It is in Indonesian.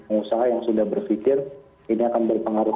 pengusaha yang sudah berpikir ini akan berpengaruh